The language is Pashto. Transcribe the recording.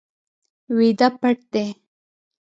ویده پټ دی